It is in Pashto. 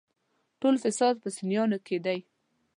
ټول فساد په سنيانو کې دی.